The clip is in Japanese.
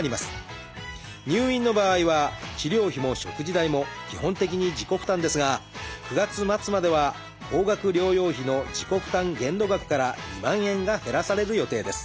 入院の場合は治療費も食事代も基本的に自己負担ですが９月末までは高額療養費の自己負担限度額から２万円が減らされる予定です。